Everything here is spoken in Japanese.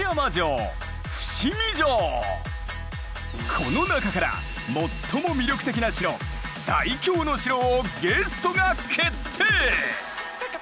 この中から最も魅力的な城最強の城をゲストが決定！